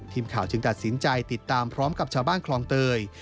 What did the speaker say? ทีมข่าวจึงตัดสินใจติดตามพร้อมกับชาวบ้านคลองเตย